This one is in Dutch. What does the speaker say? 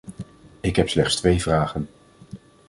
Ik heb slechts twee vragen.